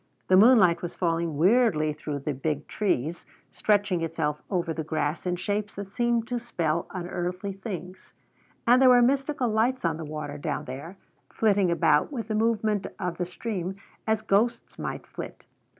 The moonlight was falling weirdly through the big trees, stretching itself over the grass in shapes that seemed to spell unearthly things. And there were mystical lights on the water down there, flitting about with the movement of the stream as ghosts might flit.